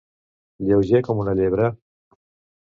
Lleuger com una llebre.